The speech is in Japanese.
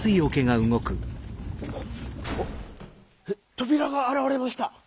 とびらがあらわれました！